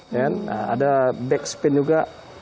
dan ada back spin juga